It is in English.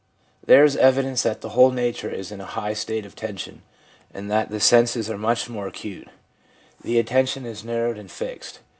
There is evi r 78 THE PSYCHOLOGY OF RELIGION dence that the whole nature is in a high state of tension, and that the senses are much more acute. The atten tion is narrowed and fixed.